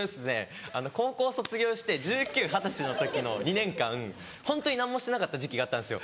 高校卒業して１９歳二十歳の時の２年間ホントに何もしてなかった時期があったんですよ。